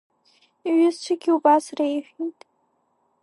Иҩызцәагьы убас реиҳәеит…